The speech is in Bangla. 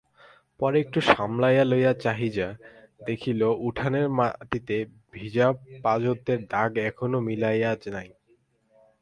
পরে একটু সামলাইয়া লইয়া চাহিযা দেখিল উঠানের মাটিতে ভিজা পায্যের দাগ এখনও মিলায় নাই।